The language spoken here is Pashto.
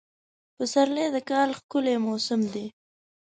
پسرلی د کال ښکلی موسم دی.